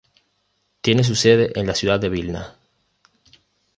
Tiene su sede en la ciudad de Vilna.